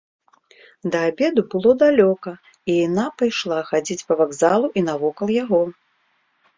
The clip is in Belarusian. Да абеду было далёка, і яна пайшла хадзіць па вакзалу і навокал яго.